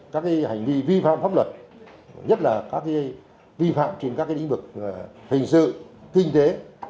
các hành vi vi phạm pháp luật nhất là các vi phạm trên các lĩnh vực hình sự kinh tế